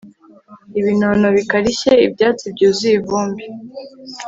ibinono bikarishye ibyatsi byuzuye ivumbi